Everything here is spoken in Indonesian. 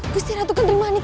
gusti ratu kenterimanik